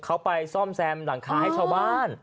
เขาไปซ่อมแซมหลังคาให้ชาวบ้าน